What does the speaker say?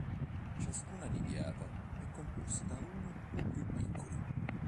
Ciascuna nidiata è composta da uno o due piccoli.